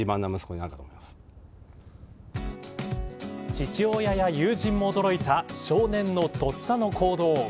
父親や友人も驚いた少年のとっさの行動。